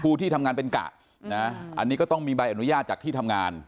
ที่ทำงานเป็นกะนะอันนี้ก็ต้องมีใบอนุญาตจากที่ทำงาน